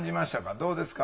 どうですか？